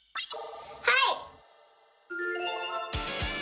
はい！